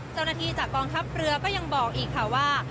เจ้าหน้าที่จากกองทัพเรือก็ยังบอกอีกค่ะว่า